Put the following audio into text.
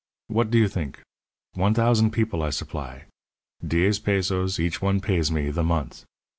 What do you think! One thousand people I supply diez pesos each one pays me the month.